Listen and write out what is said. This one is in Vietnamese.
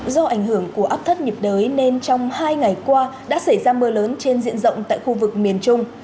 do ảnh hưởng của áp thấp nhiệt đới nên trong hai ngày qua đã xảy ra mưa lớn trên diện rộng tại khu vực miền trung